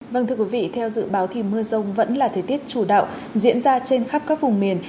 vâng thưa quý vị theo dự báo thì mưa rông vẫn là thời tiết chủ đạo diễn ra trên khắp các vùng miền